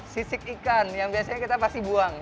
sisik ikan yang biasanya kita pasti buang